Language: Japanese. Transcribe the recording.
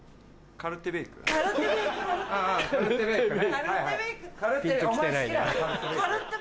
カルッテベイクだよね？